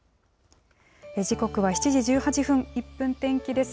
時刻は７時１８分、１分天気です。